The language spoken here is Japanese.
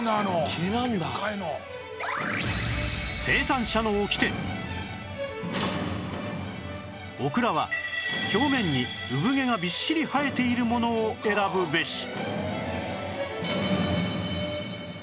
さらにオクラは表面にうぶ毛がびっしり生えているものを選ぶべし！